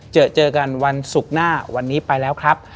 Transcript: เจอเจอกันวันศุกร์หน้าวันนี้ไปแล้วครับ